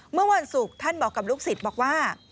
เมื่อวันศุกร์ท่านบอกกับลูกศิษย์บอกว่า